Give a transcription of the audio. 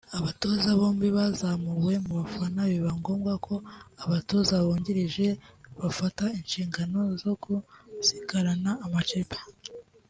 Aba batoza bombi bazamuwe mu bafana biba ngombwa ko abatoza bungirije bafata inshingano zo gusigarana amakipe